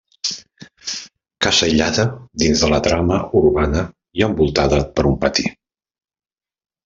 Casa aïllada dins de la trama urbana i envoltada per un pati.